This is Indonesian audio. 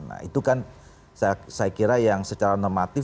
nah itu kan saya kira yang secara normatif